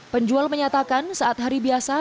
penjual menyatakan saat hari biasa